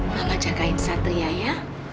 mama jagain satria ya